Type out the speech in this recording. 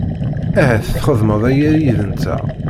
Ahat txedmeḍ aya yid-nteɣ.